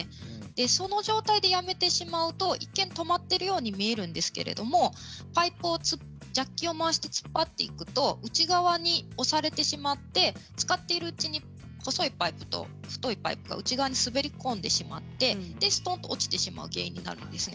その状態でやめてしまうと一見、止まっているように見えるんですけれどもジャッキを回して突っ張っていくと内側に押されてしまって使っているうちに細いパイプと太いパイプが内側に滑り込んでしまってストンと落ちてしまう原因になるんですね。